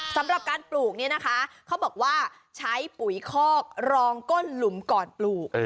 สำหรับการปลูกเนี่ยนะคะเขาบอกว่าใช้ปุ๋ยคอกรองก้นหลุมก่อนปลูก